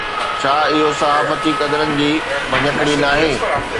ڇا اهو صحافتي قدرن جي ڀڃڪڙي ناهي؟